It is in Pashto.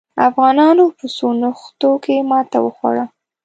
افغانانو په څو نښتو کې ماته وخوړه.